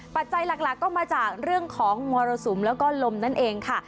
ปัจจัยหลักก็มาจากเรื่องของมรสุมแล้วก็ลมนั่นเองค่ะ